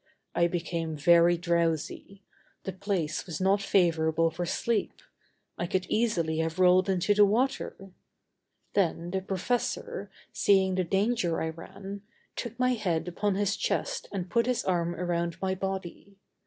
I became very drowsy; the place was not favorable for sleep; I could easily have rolled into the water. Then the professor, seeing the danger I ran, took my head upon his chest and put his arm around my body.